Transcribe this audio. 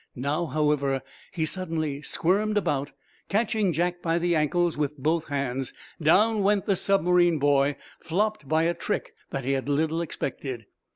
Now, however, he suddenly squirmed about, catching Jack by the ankles with both hands. Down went the submarine boy, flopped by a trick that he had little expected.